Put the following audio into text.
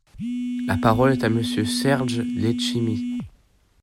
La parole est à Monsieur Serge Letchimy.